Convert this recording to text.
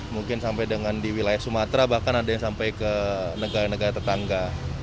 mungkin sampai dengan di wilayah sumatera bahkan ada yang sampai ke negara negara tetangga